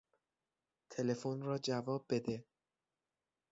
تلفن را جواب بده!